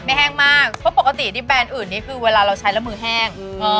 แห้งมากเพราะปกติที่แบรนด์อื่นนี่คือเวลาเราใช้แล้วมือแห้ง